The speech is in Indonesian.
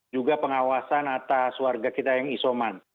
juga pengawasan atas warga kita yang isoman